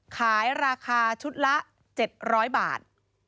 ขายราคาชุดละ๗๐๐บาท